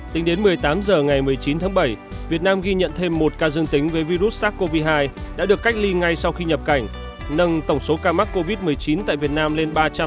tính đến một mươi tám h ngày một mươi chín tháng bảy việt nam ghi nhận thêm một ca dương tính với virus sars cov hai đã được cách ly ngay sau khi nhập cảnh nâng tổng số ca mắc covid một mươi chín tại việt nam lên ba trăm linh ca